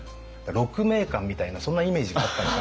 鹿鳴館みたいなそんなイメージがあったのか。